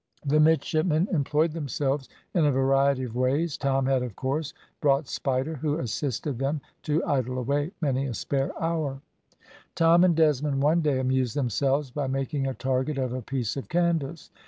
The midshipmen employed themselves in a variety of ways. Tom had, of course, brought Spider, who assisted them to idle away many a spare hour. Tom and Desmond one day amused themselves by making a target of a piece of canvas.